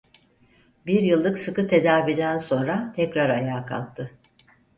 Bir yıllık sıkı tedaviden sonra tekrar ayağa kalktı.